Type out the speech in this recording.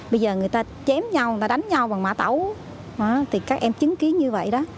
bây giờ người ta chém nhau người ta đánh nhau bằng mã tấu thì các em chứng kiến như vậy đó